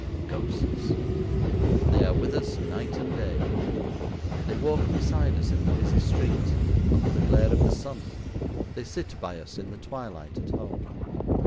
Ghosts! They are with us night and day. They walk beside us in the busy street under the glare of the sun. They sit by us in the twilight at home.